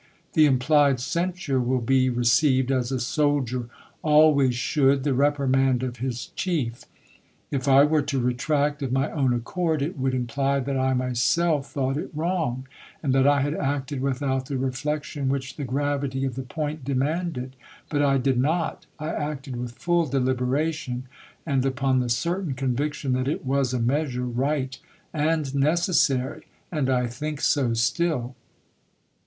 The implied censure will be re ceived as a soldier always should the reprimand of his chief. If I were to retract of my own accord, it would imply that I myself thoug"ht it wrong, and that I had acted without the reflection which the gravity of the point demanded. But I did not. I acted with full de liberation, and upon the certain conviction that it was a measure right and necessary, and I think so still.